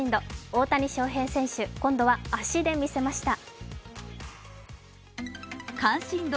大谷翔平選手、今度は足で見せました。